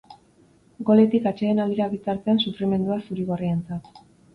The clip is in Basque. Goletik atsedenaldira bitartean sufrimendua zuri-gorrientzat.